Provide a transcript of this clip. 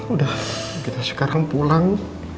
udah kita sekarang pulang